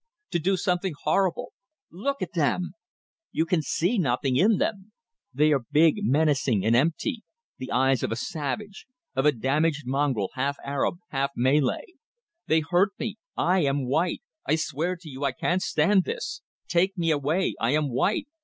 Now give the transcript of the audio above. To do something horrible. Look at them! You can see nothing in them. They are big, menacing and empty. The eyes of a savage; of a damned mongrel, half Arab, half Malay. They hurt me! I am white! I swear to you I can't stand this! Take me away. I am white!